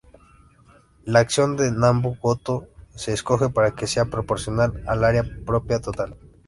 La acción de Nambu–Goto se escoge para que sea proporcional al área propia total.